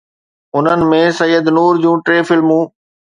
انهن ۾ سيد نور جون ٽي فلمون